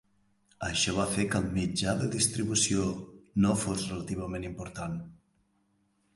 Això va fer que el mitja de distribució no fos relativament important.